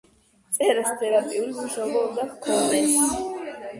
წერას თერაპიული მნიშვნელობა უნდა ჰქონოდა.